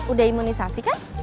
udah imunisasi kan